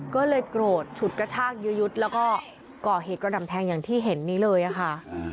ก็เลยโกรธฉุดกระชากยื้อยุดแล้วก็ก่อเหตุกระดำแทงอย่างที่เห็นนี้เลยค่ะ